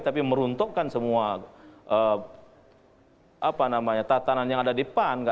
tapi meruntukkan semua tatanan yang ada di pan